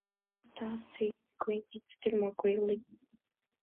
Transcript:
‘It runs thus,’ said the grave man, still more gravely.